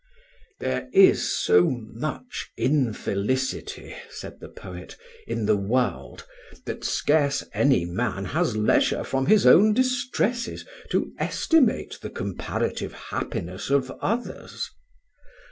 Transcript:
"There is so much infelicity," said the poet, "in the world, that scarce any man has leisure from his own distresses to estimate the comparative happiness of others.